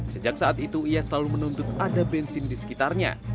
sejak saat itu ia selalu menuntut ada bensin di sekitarnya